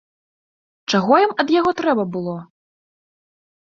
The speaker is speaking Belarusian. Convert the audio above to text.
Чаго ім ад яго трэба было?